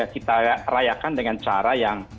kita rayakan dengan cara yang